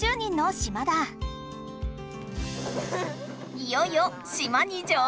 いよいよ島に上りく！